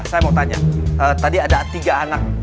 saya mau tanya tadi ada tiga anak